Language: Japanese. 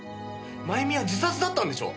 まゆみは自殺だったんでしょう？